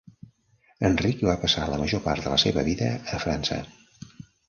Enric va passar la major part de la seva vida a França.